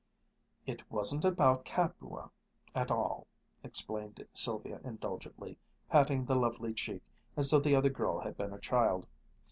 "It wasn't about Capua at all," explained Sylvia indulgently, patting the lovely cheek, as though the other girl had been a child.